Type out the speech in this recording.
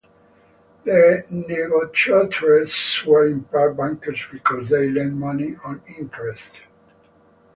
The negotiatores were in part bankers because they lent money on interest.